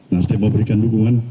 nasdem mau berikan dukungan